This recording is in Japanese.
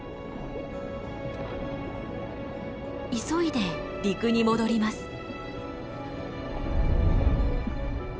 急いで陸に戻ります。